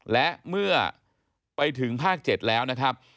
และเมื่อไปถึงภาค๗แล้วนะครับ